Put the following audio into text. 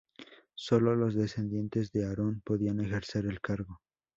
Sólo los descendientes de Aarón podían ejercer el cargo.